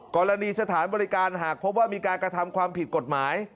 กรณีสถานบริการหากพบว่ามีการกระทำความผิดกฎหมาย